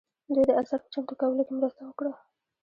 دوی د اثر په چمتو کولو کې مرسته وکړه.